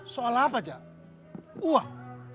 soal apa jak uang